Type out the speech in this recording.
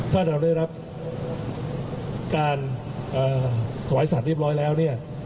ถ้าเราได้รับการถวายสัตว์เรียบร้อยแล้วเนี่ย